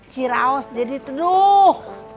ciraos jadi teduh